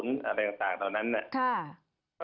รเรียงจากนะนั้นน่ะ